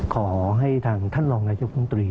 ขอให้ท่านท่านลองนายองค์มฤตรี